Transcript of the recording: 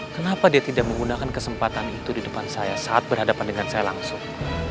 kenapa dia tidak menggunakan kesempatan itu di depan saya saat berhadapan dengan saya langsung